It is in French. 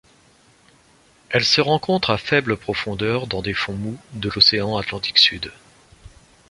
Elle se rencontre à faible profondeur dans des fonds mous de l'océan Atlantique Sud.